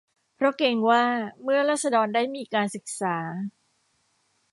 เพราะเกรงว่า เมื่อราษฎรได้มีการศึกษา